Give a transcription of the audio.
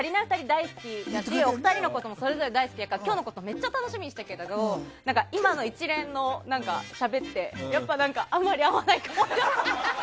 大好きだしお二人のこともそれぞれ大好きだから今日はめっちゃ楽しみにしてたけど今の一連しゃべってやっぱり、あんまり合わないかなと思った。